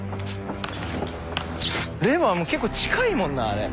レバー結構近いもんなあれ。